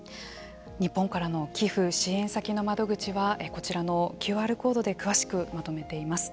日本からの寄付、支援先の窓口はこちらのＱＲコードで詳しくまとめています。